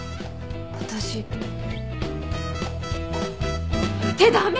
私。って駄目！